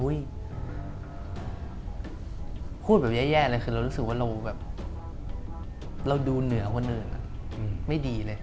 โอ้ยพูดแย่เลยคือรู้สึกว่าเราดูเหนือคนอื่นไม่ดีเลย